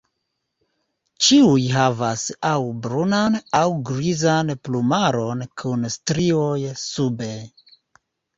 Ĉiuj havas aŭ brunan aŭ grizan plumaron kun strioj sube.